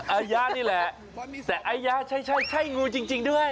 ไอ้ยานี่แหละแต่ไอ้ยาใช่งูจริงด้วย